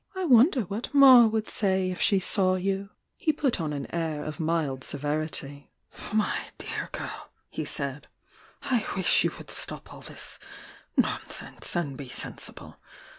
"I wonder what 'Ma' would say if she saw you ! He put on an air of mild seventy. "Mv dear girl," he said. "I wish you would stop all this nonsense and be sensible